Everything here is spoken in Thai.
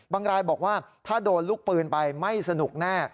รายบอกว่าถ้าโดนลูกปืนไปไม่สนุกแน่